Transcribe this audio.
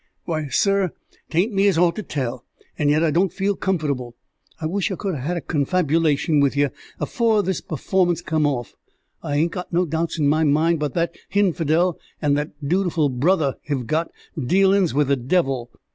"Why, sir, 'tain't me as ought to tell, and yet I don't feel comfortable. I wish I could 'a had a confabulation with yer afore this performance come off. I hain't got no doubts in my mind but that hinfidel and his dootiful brother hev got dealin's with the devil."